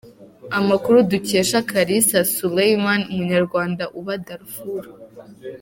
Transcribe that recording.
Amakuru dukesha Kalisa Sulaiman, umunyarwanda uba Darfur.